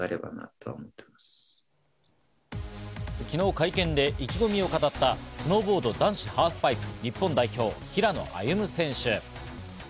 昨日、会見で意気込みを語ったスノーボード男子ハーフパイプ日本代表・平野歩夢選手。